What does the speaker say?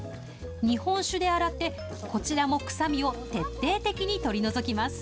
日本酒で洗って、こちらも臭みを徹底的に取り除きます。